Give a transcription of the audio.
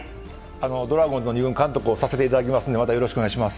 ドラゴンズの２軍監督をさせていただきますので、またよろしくお願いします。